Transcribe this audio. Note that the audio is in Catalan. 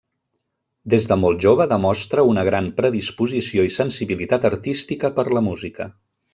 Des de molt jove demostra una gran predisposició i sensibilitat artística per la música.